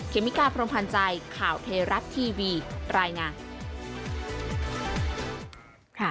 เมกาพรมพันธ์ใจข่าวเทราะทีวีรายงาน